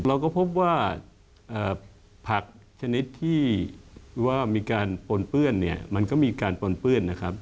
เราก็พบว่าผักชนิดที่ว่ามีการปนเปื้อนเนี่ยมันก็มีการปนเปื้อนนะครับ